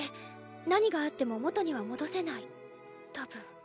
何があっても元には戻せないたぶん。